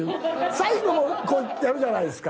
最後のこうやるじゃないですか。